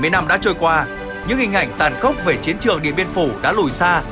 bảy mươi năm đã trôi qua những hình ảnh tàn khốc về chiến trường điện biên phủ đã lùi xa